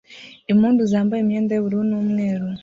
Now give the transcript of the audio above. impundu zambaye imyenda yubururu n'umweru